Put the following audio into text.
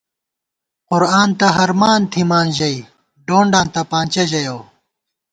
قرآن تہ ہرمان تھِمان ژَئی، ڈونڈاں تپانچہ ژَیَؤ